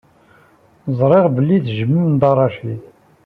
Ẓriɣ belli tejjmem Dda Racid.